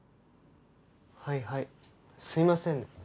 はいはいすいませんね。